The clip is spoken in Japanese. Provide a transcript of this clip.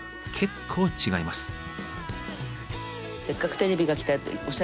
結構違います。